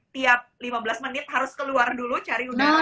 tiap lima belas menit harus keluar dulu cari udara